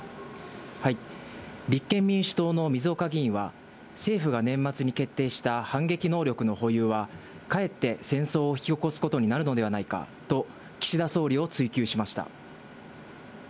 立憲民主党のみずおか議員は、政府が年末に決定した反撃能力の保有は、かえって戦争を引き起こすことになるのではないかと、岸田総理を追及しました。